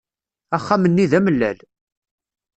Axxam-nni d amellal.